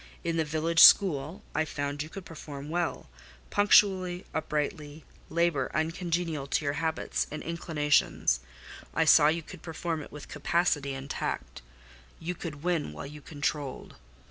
In the village school I found you could perform well, punctually, uprightly, labour uncongenial to your habits and inclinations; I saw you could perform it with capacity and tact: you could win while you controlled.